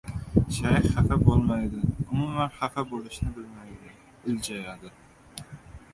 Shayx xafa bo‘lmaydi. Umuman, xafa bo‘lishni bilmaydi. Iljayadi.